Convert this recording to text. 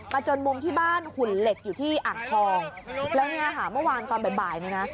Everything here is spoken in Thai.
มาจนมุมที่บ้านหุ่นเหล็กอยู่ที่อังคองแล้วเนี่ยฮะเมื่อวานก่อนบ่ายบ่ายเนี่ยนะ